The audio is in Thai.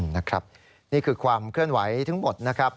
นี่คือความเคลื่อนไหวทั้งหมดนะครับ